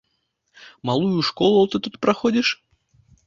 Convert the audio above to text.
Малую школу ты тут праходзіш?